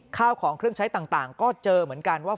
ข้าวของเครื่องใช้ต่างก็เจอเหมือนกันว่า